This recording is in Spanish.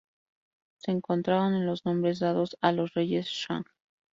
Se encontraron en los Nombres dados a los Reyes Shang.